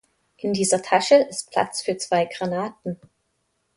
In dieser Tasche ist Platz für zwei Granaten.